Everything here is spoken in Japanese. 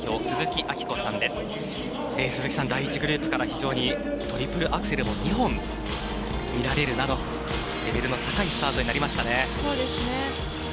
鈴木さん、第１グループから非常にトリプルアクセルも２本、見られるなどレベルの高いスタートになりましたね。